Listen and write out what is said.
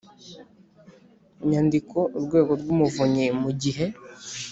nyandiko Urwego rw Umuvunyi mu gihe